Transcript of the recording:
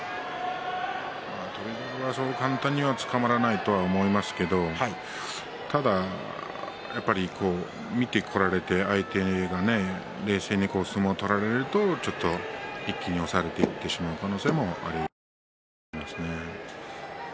翔猿は、そう簡単にはつかまらないと思いますがただ見てこられて相手に冷静に相撲を取られると一気に押されていってしまう可能性もあるかなと思います。